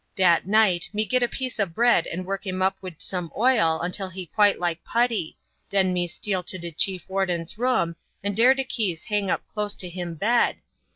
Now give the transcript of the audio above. Dat night me git a piece ob bread and work him up wid some oil till he quite like putty, den me steal to de chief warden's room, and dere de keys hang up close to him bed.